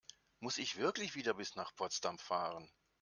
Muss ich wirklich wieder bis nach Potsdam fahren?